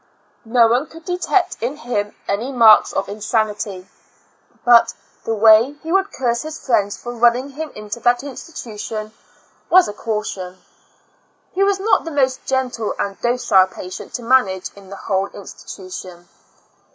No one could detect in him any marks of insanity; but the way he would curse his friends for IN A L UNA TIC A STL UM, g Q ruuning him iuto that institution, was a caution. He was not the most gentle and docile patient to manage in the whole iustitution.